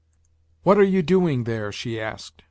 "What are you doing there?" she asked.